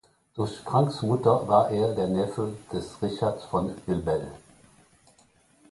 Durch Franks Mutter war er der Neffe des Richard von Vilbel.